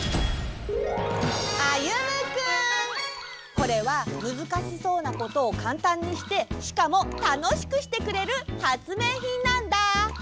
これはむずかしそうなことをかんたんにしてしかもたのしくしてくれるはつめいひんなんだ！